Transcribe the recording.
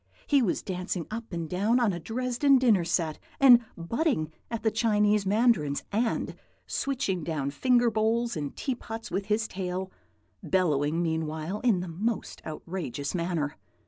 He was dancing up and down on a Dresden dinner set, and butting at the Chinese mandarins, and switching down finger bowls and teapots with his tail, bellowing meanwhile in the most outrageous manner.